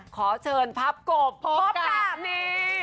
ขอเชิญพับกบพบแบบนี้